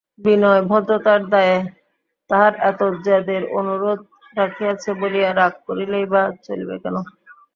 বিনয় ভদ্রতার দায়ে তাহার এত জেদের অনুরোধ রাখিয়াছে বলিয়া রাগ করিলেই বা চলিবে কেন?